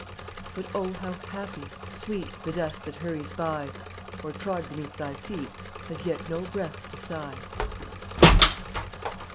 But, oh, how happy, Sweet, The dust that hurries by, Or, trod beneath thy feet, Has yet no breath to sigh.